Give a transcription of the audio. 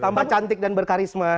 tambah cantik dan berkarisma